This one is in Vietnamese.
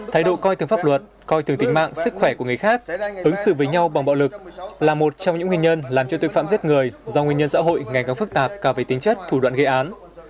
thái độ coi thường pháp luật coi thường tính mạng sức khỏe của người khác ứng xử với nhau bằng bạo lực là một trong những nguyên nhân làm cho tội phạm giết người do nguyên nhân xã hội ngày càng phức tạp cả về tính chất thủ đoạn gây án